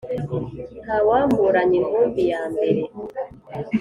Ntawamburanya intumbi ya mbere